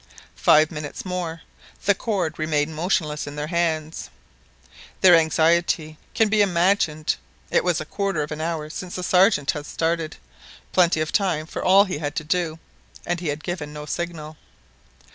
Five minutes more. The cord remained motionless in their hands! Their anxiety can be imagined. It was a quarter of an hour since the Sergeant had started, plenty of time for all he had to do, and he had given no signal.